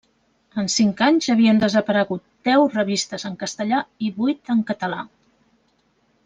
En cinc anys havien desaparegut deu revistes en castellà i vuit en català.